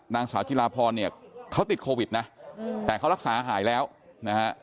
นางสาวจิลาพรเนี่ยเขาติดโควิดนะแต่เขารักษาหายแล้วนะฮะ